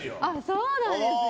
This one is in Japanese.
そうなんですね。